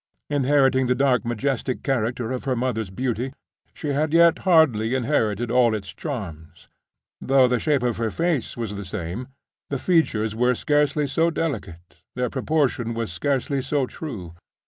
Inheriting the dark majestic character of her mother's beauty, she had yet hardly inherited all its charms. Though the shape of her face was the same, the features were scarcely so delicate, their proportion was scarcely so true.